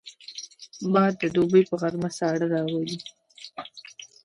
باد د دوبي په غرمه ساړه راولي